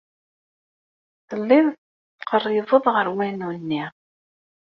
Telliḍ tettqerribeḍ ɣer wanu-nni.